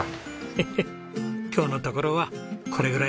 ヘヘッ「今日のところはこれぐらいで勘弁してやる」